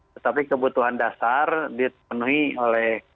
tetapi kebutuhan dasar dipenuhi oleh